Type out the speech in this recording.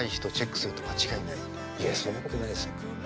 いやそんなことないですよ。